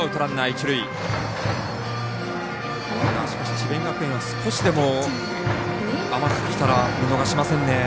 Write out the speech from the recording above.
智弁学園は少しでも甘くきたら見逃しませんね。